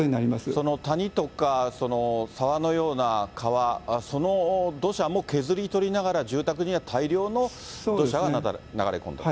その谷とか沢のような川、その土砂も削り取りながら、住宅には大量の土砂が流れ込んだと。